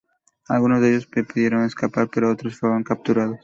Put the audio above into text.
Algunos de ellos pudieron escapar, pero otros fueron capturados.